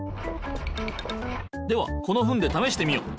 ではこのフンでためしてみよう。